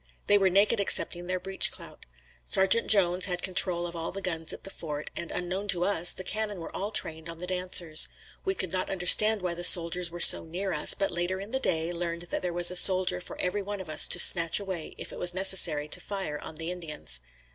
They were naked excepting their breech clout. Sargeant Jones had control of all the guns at the fort, and unknown to us, the cannon were all trained on the dancers. We could not understand why the soldiers were so near us, but later in the day learned that there was a soldier for everyone of us to snatch us away if it was necessary to fire on the Indians.